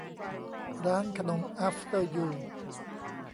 ร้านขนมอาฟเตอร์ ยู